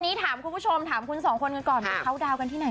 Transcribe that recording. แล้วขอบคุณคนของเรามากี่อย่าง